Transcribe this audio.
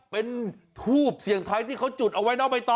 เป็นทูบเสี่ยงไทยที่เขาจุดเอาไว้น้องใบตอ